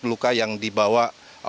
luka yang dibawa